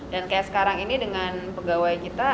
dan kayak sekarang ini dengan pegawai kita